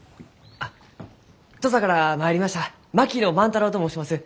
あっ土佐から参りました槙野万太郎と申します。